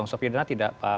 sofidana tidak pak